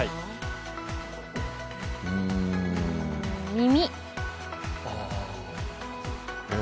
耳。